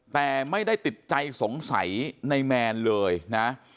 แต่ไม่ได้ติดใจสงสัยในแมนเลยนะ